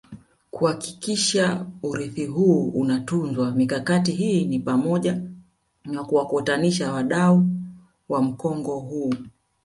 kuhakikisha urithi huu unatunzwa Mikakati hii ni pamoja na kuwakutanisha wadau wa mkongo huu